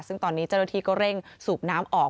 ซึ่งตอนนี้เจ้าหน้าที่ก็เร่งสูบน้ำออก